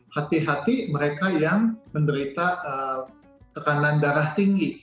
hati hati mereka yang menderita tekanan darah tinggi